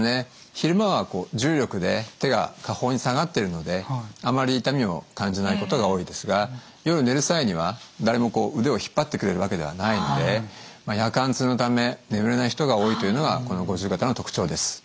昼間は重力で手が下方に下がってるのであまり痛みを感じないことが多いですが夜寝る際には誰もこう腕を引っ張ってくれるわけではないので夜間痛のため眠れない人が多いというのがこの五十肩の特徴です。